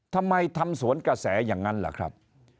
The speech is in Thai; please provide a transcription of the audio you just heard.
ทำสวนกระแสอย่างนั้นล่ะครับ